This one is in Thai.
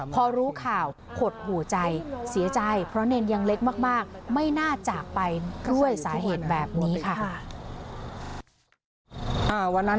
พอรู้ข่าวหดหูใจเสียใจเพราะเนรยังเล็กมากไม่น่าจากไปด้วยสาเหตุแบบนี้ค่ะ